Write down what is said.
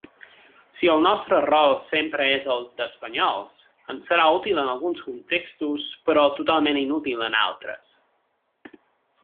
Si el nostre rol sempre és el d'espanyols, ens serà útil en alguns contextos, però totalment inútil en altres.